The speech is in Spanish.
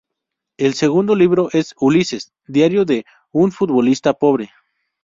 El segundo libro es "Ulises: diario de un futbolista pobre".